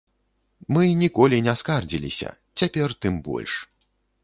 Мы ніколі не скардзіліся, цяпер тым больш.